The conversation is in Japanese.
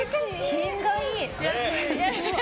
品がいい。